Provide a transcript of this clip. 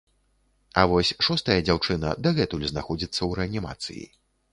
А вось шостая дзяўчына дагэтуль знаходзіцца ў рэанімацыі.